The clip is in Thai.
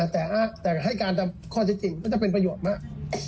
แต่ให้การทำข้อจริงก็จะเป็นประโยชน์มาก